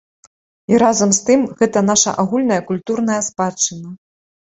І разам з тым, гэта нашая агульная культурная спадчына.